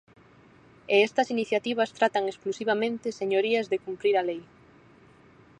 E estas iniciativas tratan exclusivamente, señorías, de cumprir a lei.